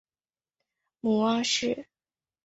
母汪氏。